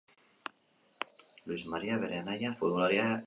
Luis Maria bere anaia futbolaria ere bazen.